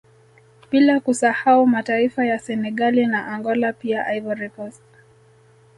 Bila kusahau mataifa ya Senegali na Angola pia Ivorycost